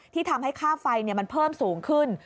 ที่ทำให้ค่าไฟเนี่ยมันเพิ่มสูงขึ้น